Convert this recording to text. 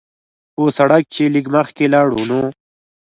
پۀ سړک چې لږ مخکښې لاړو نو